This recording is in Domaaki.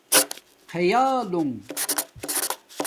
خئالݸنݣ